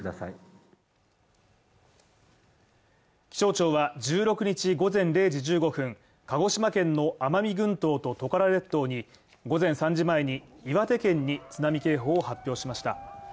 気象庁は１６日午前０時１５分、鹿児島県の奄美群島トカラ列島に午前３時前に、岩手県に津波警報を発表しました。